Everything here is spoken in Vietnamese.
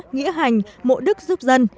nghĩa hành mộ đức giúp dân